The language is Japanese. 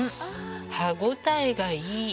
歯ごたえがいい！